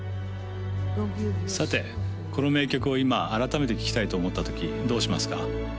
さてこの名曲を今改めて聴きたいと思ったときどうしますか？